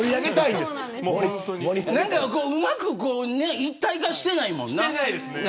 うまく一体化してないもんね。